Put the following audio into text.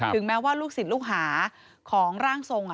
แม้ว่าลูกศิษย์ลูกหาของร่างทรง